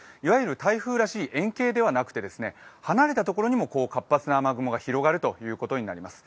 台風らしい円形ではなくて離れたところにも活発な雨雲が広がるということになります。